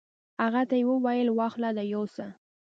هغه ته یې وویل: واخله دا یوسه.